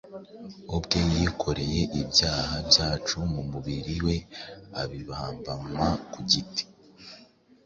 ubwe yikoreye ibyaha byacu mu mubiri we, abibambanwa ku giti;